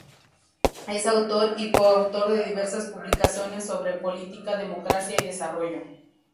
Es autor y coautor de diversas publicaciones sobre política, democracia y desarrollo.